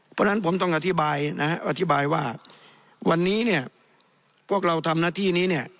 เพราะฉะนั้นผมต้องอธิบายว่าวันนี้พวกเราทำหน้าที่นี้